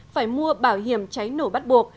phải mua bảo hiểm cháy nổ bắt buộc